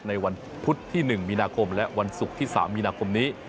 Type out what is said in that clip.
ในวันพุธที่๑มีนาคมและวันศุกร์ที่๓มีนาคมนี้